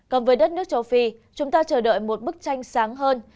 còn với đất nước châu phi chúng ta chờ đợi một bức tranh sáng hơn